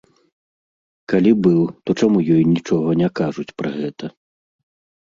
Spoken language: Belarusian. Калі быў, то чаму ёй нічога не кажуць пра гэта?